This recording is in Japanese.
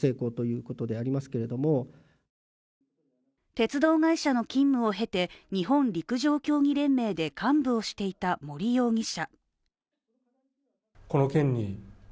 鉄道会社の勤務を経て日本陸上競技連盟で幹部をしていた森容疑者。